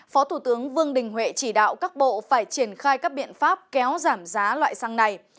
phó thủ tướng vương đình huệ chỉ đạo các bộ phải triển khai các biện pháp kéo giảm giá loại xăng này